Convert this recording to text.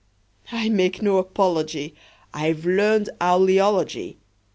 I make no apology; I've learned owl eology.